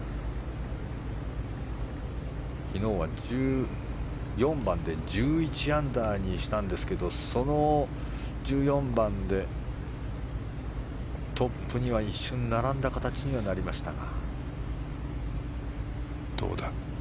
昨日は１４番で１１アンダーにしたんですけどその１４番でトップには一瞬並んだ形にはなりましたが。